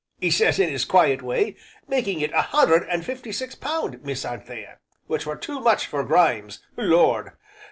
'e sez in his quiet way, making it a hundred an' fifty six pound, Miss Anthea, which were too much for Grimes, Lord!